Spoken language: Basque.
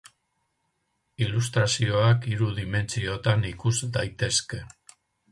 Ilustrazioak hiru dimentsiotan ikus daitezke.